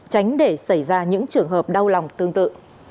tránh để xảy ra những trường hợp đau lòng tương tự